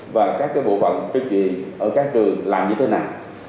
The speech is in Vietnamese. và các cái bộ phận truyền truyền ở các trường làm như thế nào